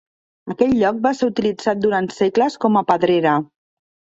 Aquest lloc va ser utilitzat durant segles com a pedrera.